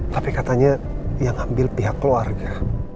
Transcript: tapi katanya yang ambil pihak keluarga